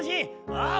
ああ